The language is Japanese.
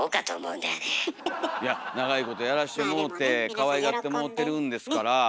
いや長いことやらしてもうてかわいがってもうてるんですから。